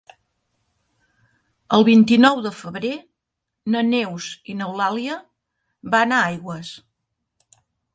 El vint-i-nou de febrer na Neus i n'Eulàlia van a Aigües.